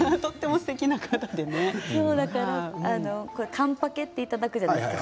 完パケっていただくんじゃないですか